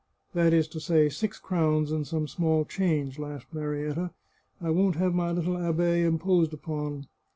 " That is to say, six crowns and some small change," laughed Marietta. " I won't have my little abbe imposed upon."